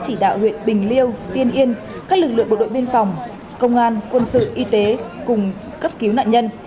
chỉ đạo huyện bình liêu tiên yên các lực lượng bộ đội biên phòng công an quân sự y tế cùng cấp cứu nạn nhân